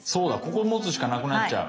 ここ持つしかなくなっちゃう。